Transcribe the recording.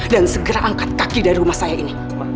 dan segera angkat kaki dari rumah saya ini